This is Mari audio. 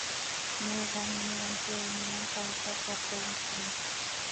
Ну, ужам, нунылан кӧ улмынам каласаш жап толын шуын.